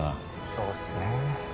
そうっすねえ。